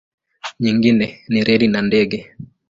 Nyingine ni reli na ndege.